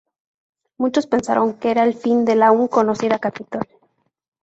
Muchos pensaron que era el fin de la aún conocida Capitol.